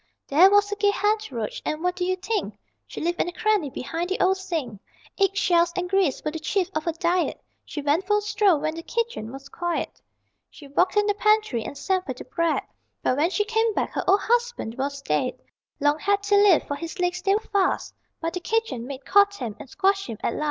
NURSERY RHYMES FOR THE TENDER HEARTED III There was a gay henroach, and what do you think, She lived in a cranny behind the old sink Eggshells and grease were the chief of her diet; She went for a stroll when the kitchen was quiet. She walked in the pantry and sampled the bread, But when she came back her old husband was dead: Long had he lived, for his legs they were fast, But the kitchen maid caught him and squashed him at last.